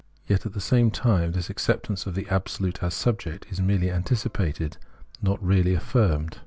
Yet at the same time this acceptance of the Absolute as Subject is merely anticipated, not really affirmed.